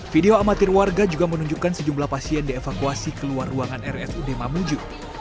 video amatir warga juga menunjukkan sejumlah pasien dievakuasi keluar ruangan rsud mamuju